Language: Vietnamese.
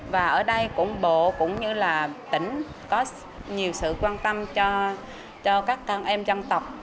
và ở đây cũng bộ cũng như là tỉnh có nhiều sự quan tâm cho các con em dân tộc